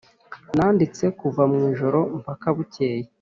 nanditse kuva mwijoro mpaka bukeye